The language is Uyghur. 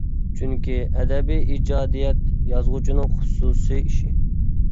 چۈنكى ئەدەبىي ئىجادىيەت يازغۇچىنىڭ خۇسۇسى ئىشى.